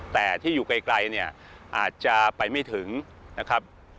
แต่ที่อยู่ไกลเนี่ยอาจจะไปไม่ถึงนะครับ